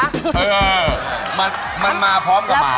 เออมันมาพร้อมกับหมา